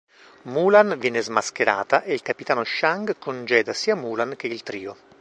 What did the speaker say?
Mulan viene smascherata e il capitano Shang congeda sia Mulan che il trio.